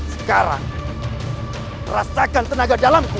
sekarang rasakan tenaga dalamku